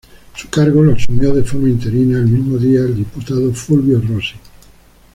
Su cargo lo asumió de forma interina el mismo día el diputado Fulvio Rossi.